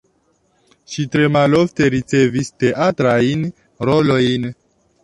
Ŝi tre malofte ricevis teatrajn rolojn.